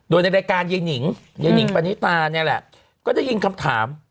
โดยในรายการเยี่ยงนิง๒นะแหละก็ได้ยินคำถาม